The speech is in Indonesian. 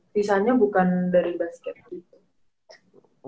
sisanya bukan dari basket gitu